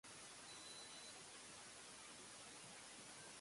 お出口は右側です